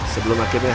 sebelum akhirnya hamil